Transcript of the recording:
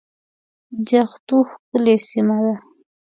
جغتو ښکلې سيمه ده